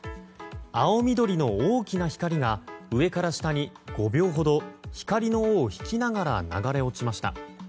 青緑の大きな光が上から下に５秒ほど光の尾を引きながら流れ落ちました。